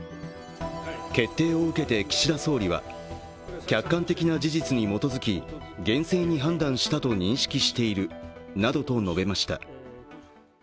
決定を受けて岸田総理は客観的な事実に基づき、厳正に判断したと認識しているなどと述べました。